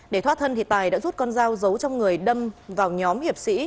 để thoát thân thì tài đã rút con dao giấu trong người đâm vào nhóm hiệp sĩ